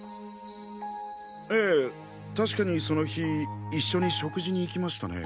ええ確かにその日一緒に食事に行きましたね。